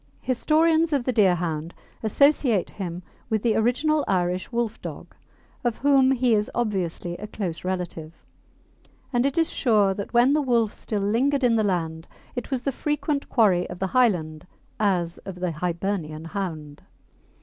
Historians of the Deerhound associate him with the original Irish Wolfdog, of whom he is obviously a close relative, and it is sure that when the wolf still lingered in the land it was the frequent quarry of the Highland as of the Hibernian hound.